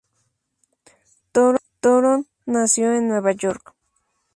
Throne nació en Nueva York.